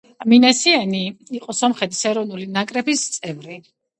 მინასიანი იყო სომხეთის ეროვნული საფეხბურთო ნაკრების წევრი.